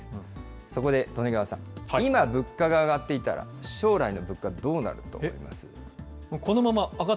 そこで利根川さん、今、物価が上がっていたら、将来の物価、どうなると思います？